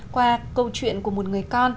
qua câu chuyện của một người con